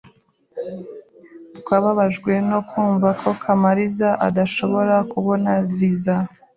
Twababajwe no kumva ko Kamaliza adashobora kubona visa.